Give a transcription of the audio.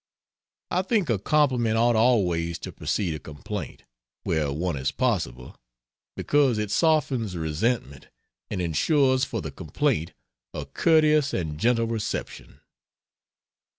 I think a compliment ought always to precede a complaint, where one is possible, because it softens resentment and insures for the complaint a courteous and gentle reception.